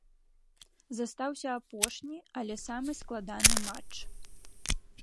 Застаўся апошні, але самы складаны матч.